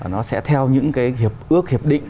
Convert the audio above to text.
nó sẽ theo những cái ước hiệp định